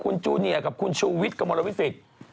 คุณชูเนียร์กับคุณชูวิทกับมลวิศิษฐ์